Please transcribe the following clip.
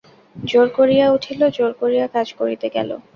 জোর করিয়া উঠিল, জোর করিয়া কাজ করিতে গেল।